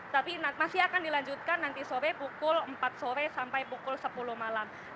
tapi masih akan dilanjutkan nanti sore pukul empat sore sampai pukul sepuluh malam